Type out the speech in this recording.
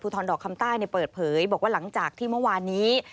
ทรดอกคำใต้เปิดเผยบอกว่าหลังจากที่เมื่อวานนี้